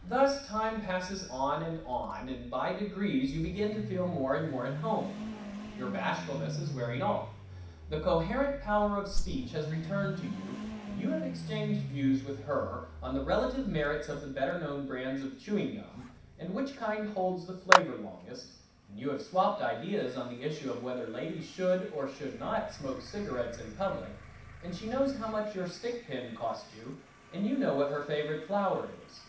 Thus time passes on and on and by degrees you begin to feel more and more at home. Your bashfulness is wearing off. The coherent power of speech has returned to you and you have exchanged views with her on the relative merits of the better known brands of chewing gum and which kind holds the flavor longest, and you have swapped ideas on the issue of whether ladies should or should not smoke cigarettes in public and she knows how much your stick pin cost you and you know what her favorite flower is.